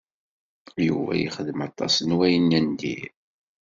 Yuba yexdem aṭas n wayen n dir.